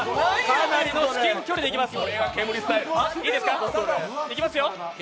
かなりの至近距離でいきます。